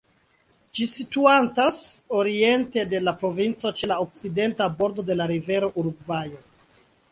Ĝi situantas oriente de la provinco, ĉe la okcidenta bordo de la rivero Urugvajo.